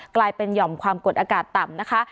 กลายเป็นหย่อมความกดอากาศต่ำนะคะ